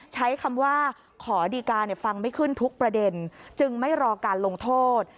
ใช้คำว่าขอดีการฟังไม่ขึ้นทุกประเด็นจึงไม่รอการลงโทษ